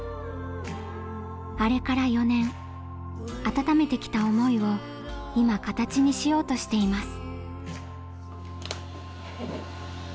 温めてきた思いを今形にしようとしています。